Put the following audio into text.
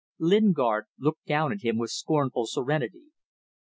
Lingard looked down at him with scornful serenity.